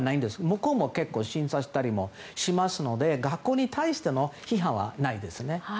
向こうも結構、審査したりもしますので学校に対しての批判はないですね。